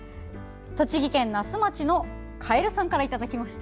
栃木県那須町のカエルさんからいただきました。